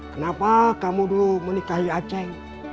kenapa kamu dulu menikahi aceh